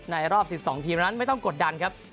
รอบ๑๒ทีมนั้นไม่ต้องกดดันครับ